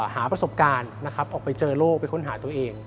หาประสบการณ์นะครับออกไปเจอโลกไปค้นหาตัวเอง